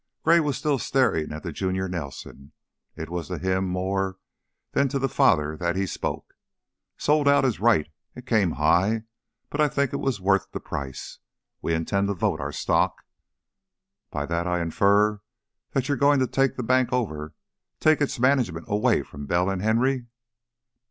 Gray was still staring at the junior Nelson; it was to him more than to the father that he spoke: "Sold out is right! It came high, but I think it was worth the price. We intend to vote our stock." "By that I infer that you're going to take the bank over take its management away from Bell and Henry?"